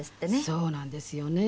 そうなんですよね。